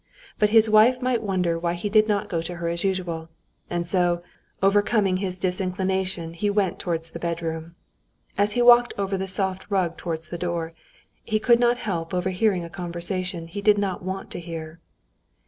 But his wife might wonder why he did not go to her as usual; and so, overcoming his disinclination, he went towards the bedroom. As he walked over the soft rug towards the door, he could not help overhearing a conversation he did not want to hear.